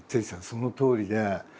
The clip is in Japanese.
そのとおりで。